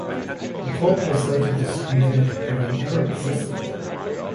The talk was later disputed having ever existed.